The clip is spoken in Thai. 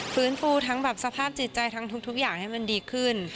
ฟื้นฟูทั้งแบบสภาพจิตใจทั้งทุกอย่างให้มันดีขึ้น